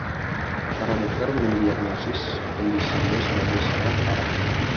Para dokter mendiagnosis kondisinya sebagai “sangat parah”.